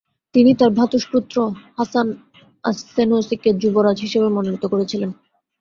তিনি তার ভ্রাতুষ্পুত্র হাসান আস-সেনুসিকে যুবরাজ হিসেবে মনোনীত করেছিলেন।